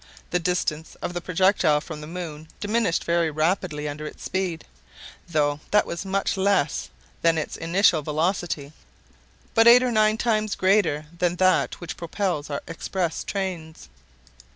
The distance of the projectile from the moon diminished very rapidly under its speed, though that was much less than its initial velocity—but eight or nine times greater than that which propels our express trains.